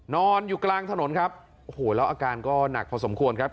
นอนอยู่กลางถนนครับโอ้โหแล้วอาการก็หนักพอสมควรครับ